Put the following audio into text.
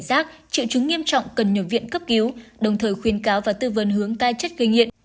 giác triệu chứng nghiêm trọng cần nhập viện cấp cứu đồng thời khuyên cáo và tư vấn hướng cai chất gây nghiện